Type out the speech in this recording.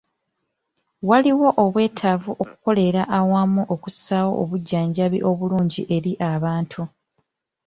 Waliwo obwetaavu okukolera awamu okussaawo obujjanjabi obulungi eri abantu.